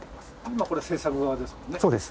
今これ制作側ですもんね。